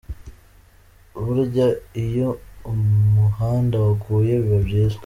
Burya iyo umuhanda waguye biba byiza.